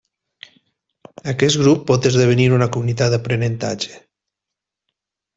Aquest grup pot esdevenir una comunitat d'aprenentatge.